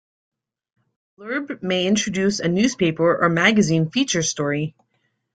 A blurb may introduce a newspaper or magazine feature story.